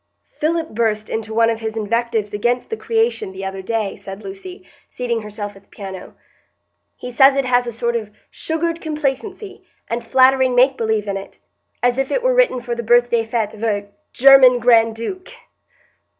"Philip burst into one of his invectives against 'The Creation' the other day," said Lucy, seating herself at the piano. "He says it has a sort of sugared complacency and flattering make believe in it, as if it were written for the birthday fête of a German Grand Duke."